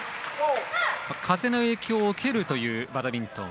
風の影響を受けるというバドミントン。